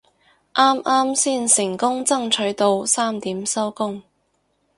啱啱先成功爭取到三點收工